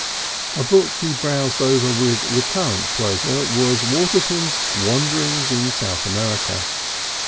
A book he browsed over with a recurrent pleasure was Waterton's Wanderings in South America.